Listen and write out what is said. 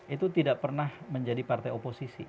itu tidak pernah menjadi partai oposisi